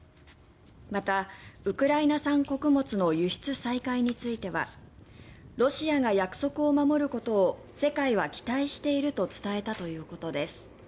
また、ウクライナ産穀物の輸出再開についてはロシアが約束を守ることを世界は期待していると伝えたということです。